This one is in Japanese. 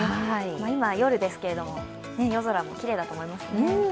今、夜ですけれども、夜空もきれいだと思いますね。